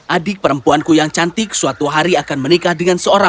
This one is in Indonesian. adik perempuanku yang cantik suatu hari akan menikah dengan seorang